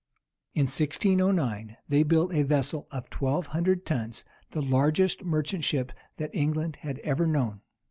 In 1609, they built a vessel of twelve hundred tons, the largest merchant ship that England had ever known.